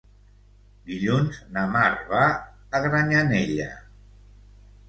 Dilluns na Mar va a Granyanella.